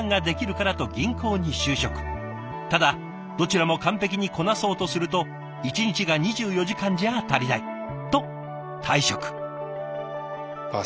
ただどちらも完璧にこなそうとすると「一日が２４時間じゃ足りない」と退職。